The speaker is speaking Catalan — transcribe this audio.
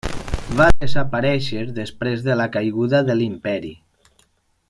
Va desaparèixer després de la caiguda de l'Imperi.